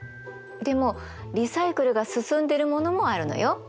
でもリサイクルが進んでるものもあるのよ。